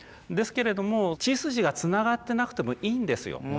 ですけれども血筋がつながってなくてもいいんですよ。